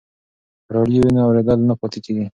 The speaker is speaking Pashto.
که راډیو وي نو اورېدل نه پاتې کیږي.